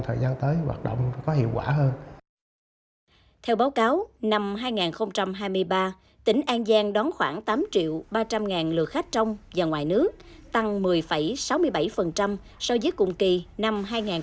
theo báo cáo năm hai nghìn hai mươi ba tỉnh an giang đón khoảng tám triệu ba trăm linh lượt khách trong và ngoài nước tăng một mươi sáu mươi bảy so với cùng kỳ năm hai nghìn hai mươi hai